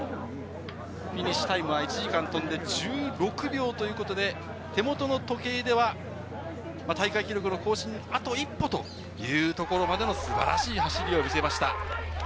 フィニッシュタイムは１時間とんで１６秒ということで、手元の時計では大会記録の更新、あと一歩というところまでの素晴らしい走りを見せました。